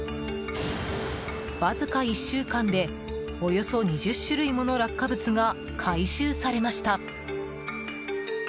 わずか１週間でおよそ２０種類もの落下物が回収されました。